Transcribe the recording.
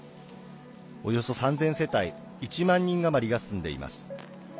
およそ３０００世帯１万人余りが住んでいます。